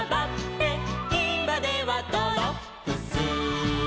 「いまではドロップス」